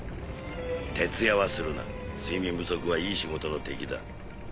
徹夜はするな睡眠不足はいい仕事の敵だ。